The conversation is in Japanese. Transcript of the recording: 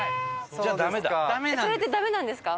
それってダメなんですか？